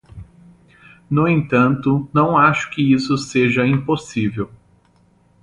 No entanto, não acho que isso seja impossível.